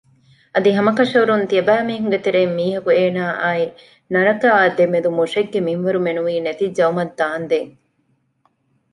އަދި ހަމަކަށަވަރުން ތިޔަބައިމީހުންގެ ތެރެއިން މީހަކު އޭނާއާއި ނަރަކައާ ދެމެދު މުށެއްގެ މިންވަރު މެނުވީ ނެތިއްޖައުމަށް ދާންދެން